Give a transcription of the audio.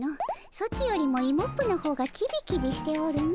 ソチよりもイモップの方がキビキビしておるの。